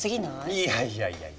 いやいやいやいや